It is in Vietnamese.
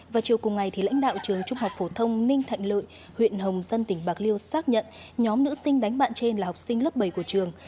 và chiều cùng ngày lãnh đạo trường trung học phổ thông ninh thạnh lợi huyện hồng dân tỉnh bạc liêu xác nhận nhóm nữ sinh đánh bạn trên là học sinh lớp bảy của trường